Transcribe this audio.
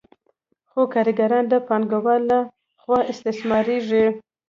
خو کارګران د پانګوال له خوا استثمارېږي